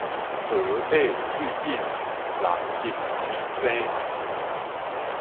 河狹水緊，人急智生